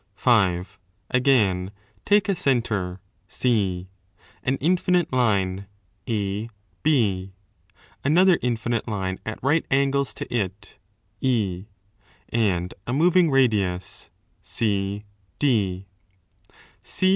(5) Again, take a centre ( an infinite line, 44, another 25 infinite line at right angles to it, &, and a moving radius, ΟΡ.